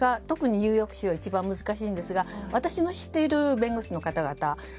特にニューヨーク州は一番難しいんですが私が知っている弁護士の方々